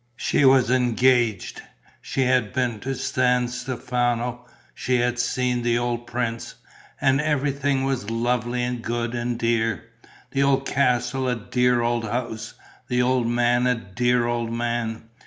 She was engaged. She had been to San Stefano, she had seen the old prince. And everything was lovely and good and dear: the old castle a dear old house, the old man a dear old man.